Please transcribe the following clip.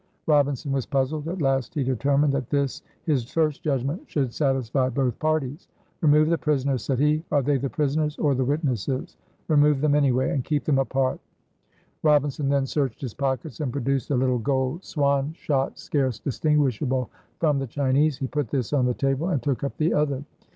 Robinson was puzzled. At last he determined that this his first judgment should satisfy both parties. "Remove the prisoners," said he; "are they the prisoners or the witnesses? remove them anyway, and keep them apart." Robinson then searched his pockets, and produced a little gold swan shot scarce distinguishable from the Chinese. He put this on the table, and took up the other.